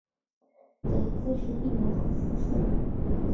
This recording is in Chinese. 贼自是闭门不复出。